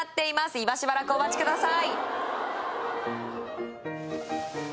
今しばらくお待ちください